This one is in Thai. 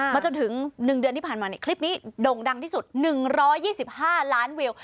จนถึง๑เดือนที่ผ่านมาคลิปนี้โด่งดังที่สุด๑๒๕ล้านวิว